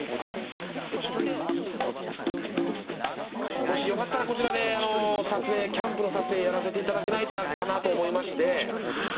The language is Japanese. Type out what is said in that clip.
もしよかったらこちらでキャンプの撮影やらせていただけないかなと思いまして。